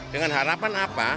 dengan harapan apa